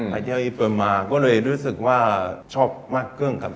ไปเที่ยวญี่ปุ่นมาก็เลยรู้สึกว่าชอบมากเครื่องครับ